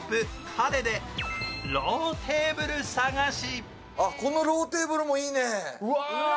ＫＡＲＥでローテーブル探し。